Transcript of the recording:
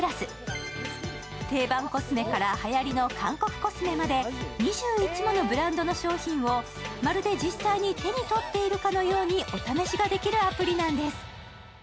定番コスメからはやりの韓国コスメまで２１ものブランドの商品をまるで実際に手にとってるかのようにお試しができるアプリなんです。